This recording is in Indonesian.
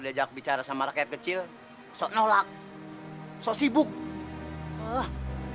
diajak bicara sama rakyat kecil golpe novel sosibuk oh